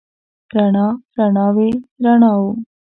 رڼا، رڼاوې، رڼاوو